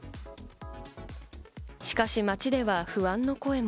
しかし街では不安の声も。